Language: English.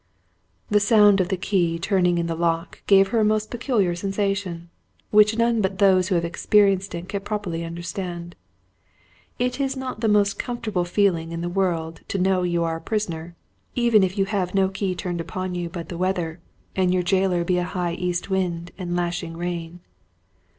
The sound of the key turning in the lock gave her a most peculiar sensation, which none but those who have experienced it can properly understand. It is not the most comfortable feeling in the world to know you are a prisoner, even if you have no key turned upon you but the weather, and your jailer be a high east wind and lashing rain.